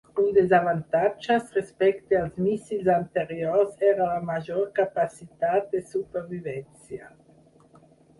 Un dels avantatges respecte als míssils anteriors era la major capacitat de supervivència.